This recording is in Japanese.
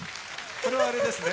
それはあれですね